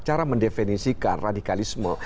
cara mendefinisikan radikalisme